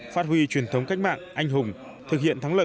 phát huy truyền thống cách mạng anh hùng thực hiện thắng lợi